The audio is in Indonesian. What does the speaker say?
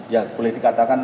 ya boleh dikatakan